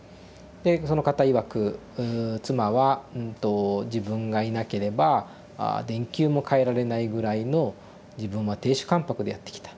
でその方いわく「妻は自分がいなければ電球も替えられないぐらいの自分は亭主関白でやってきた。